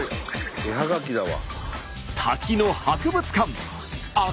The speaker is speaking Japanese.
絵はがきだわ。